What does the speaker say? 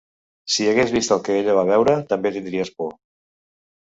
Si hagués vist el que ella va veure també tindries por